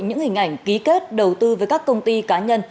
những hình ảnh ký kết đầu tư với các công ty cá nhân